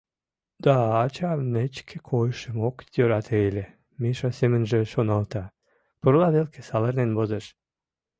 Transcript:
«Да, ачам нечке койышым ок йӧрате ыле, — Миша семынже шоналта, пурла велке савырнен возеш.